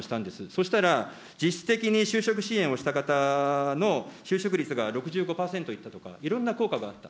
そしたら、実質的に就職支援をした方の就職率が６５％いったとか、いろんな効果があった。